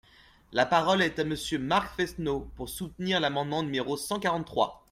La parole est à Monsieur Marc Fesneau, pour soutenir l’amendement numéro cent quarante-trois.